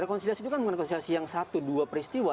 rekonsiliasi itu kan bukan rekonsiliasi yang satu dua peristiwa